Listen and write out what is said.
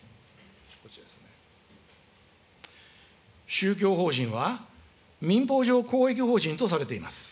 宗教法人は、民法上、公益法人とされています。